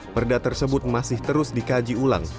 perda tersebut masih terus dikaji ulang